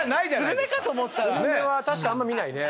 スルメは確かにあんま見ないね。